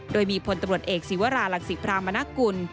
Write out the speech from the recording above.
โดยมีพลตำรวจเอกศิวรารังศิพรามนกุล